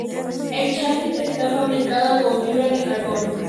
El Chasis está fabricado con fibra de carbono.